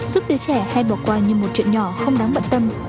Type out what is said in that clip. giúp đứa trẻ hay bỏ qua như một chuyện nhỏ không đáng bận tâm